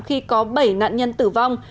khi có bảy nạn nhân tử vong